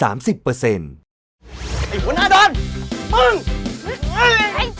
ไอ้หัวหน้าดอนมึง